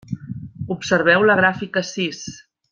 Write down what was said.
Observeu la gràfica sis.